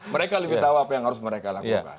mereka lebih tahu apa yang harus mereka lakukan